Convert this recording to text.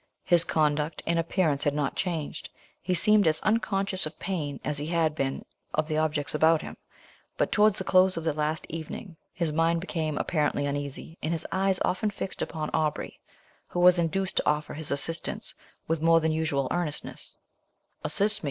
His conduct and appearance had not changed; he seemed as unconscious of pain as he had been of the objects about him: but towards the close of the last evening, his mind became apparently uneasy, and his eye often fixed upon Aubrey, who was induced to offer his assistance with more than usual earnestness "Assist me!